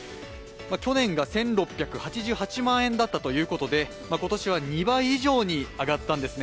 去年が１６８８万円だったということで、今年は２倍以上に上がったんですね